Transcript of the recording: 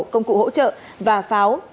công cụ hỗ trợ và pháo